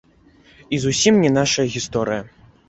І зусім не нашая гісторыя.